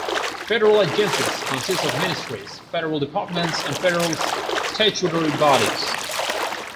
Federal agencies consist of Ministries, Federal Departments and Federal Statutory Bodies.